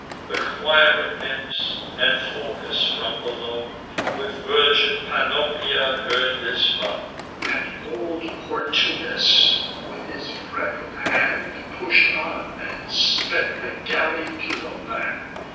The choir of nymphs, and Phorcus, from below, With virgin Panopea, heard his vow; And old Portunus, with his breadth of hand, Push'd on, and sped the galley to the land.